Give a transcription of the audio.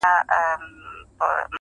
• د خيال غزل بۀ هم صنمه پۀ رو رو غږېدو..